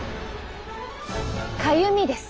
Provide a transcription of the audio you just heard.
かゆみです！